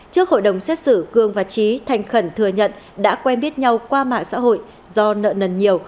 trước hội đồng xét xử cường và trí thành khẩn thừa nhận đã quen biết nhau qua mạng xã hội do nợ nần nhiều